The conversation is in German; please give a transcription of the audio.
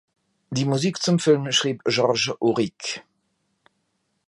Die Musik zum Film schrieb Georges Auric.